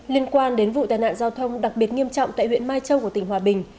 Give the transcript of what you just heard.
liên quan đến vụ tai nạn giao thông đặc biệt nghiêm trọng tại huyện mai châu của tỉnh hòa bình